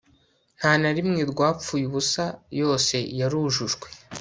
nta na rimwe ryapfuye ubusa; yose yarujujwe